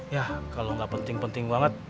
ya kalau nggak penting penting banget